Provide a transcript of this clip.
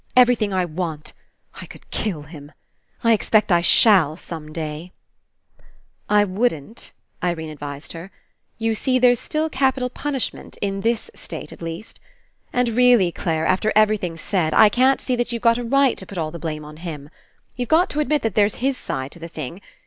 Everything I want. I could kill him ! I expect I shall, some day." 128 RE ENCOUNTER "I wouldn't," Irene advised her, "you see, there's still capital punishment, In this state at least. And really, Clare, after everything's said, I can't see that you've a right to put all the blame on him. You've got to admit that there's his side to the thing.